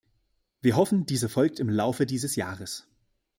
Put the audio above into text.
Wir hoffen, diese folgt im Laufe dieses Jahres.